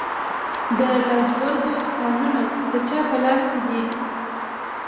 د لاجوردو کانونه د چا په لاس کې دي؟